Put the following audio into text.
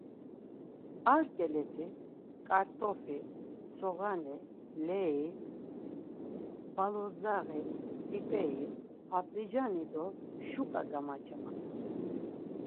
Ar ǩeleti ǩart̆ofi, soğani, leri, baludzdzaği, p̆ip̆eri, pat̆licani do şuǩa gamaçaman.